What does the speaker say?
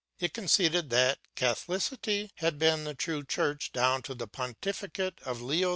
It conceded that Catholicity had been the true Church down to the pontificate of Leo X.